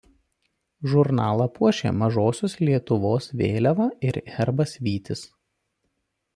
Žurnalą puošė Mažosios Lietuvos vėliava ir herbas Vytis.